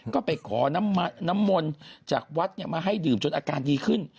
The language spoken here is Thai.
ก็ไปขอน้ำมนต์จากวัดมาให้ดื่มจนอาการดีขึ้น